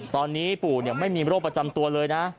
ตอนนี้ปู่ไม่มีโรคประจำตัวเลยนะ